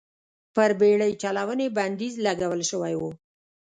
پر بېړۍ چلونې بندیز لګول شوی و.